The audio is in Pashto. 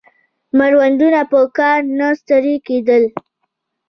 مړوندونه په کار نه ستړي کېدل